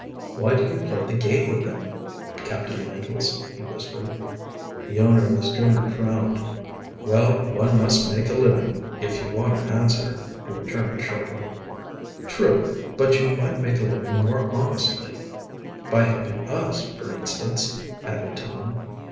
"Why do you play the game with them, Captain Langless?" he whispered. The owner of the schooner frowned. "Well, one must make a living, if you want an answer," he returned shortly. "True, but you might make a living more honestly." "By helping us, for instance," added Tom.